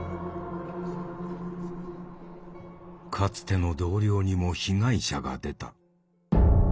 かつての同僚にも被害者が出た。